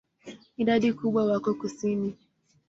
Idadi kubwa wako kusini.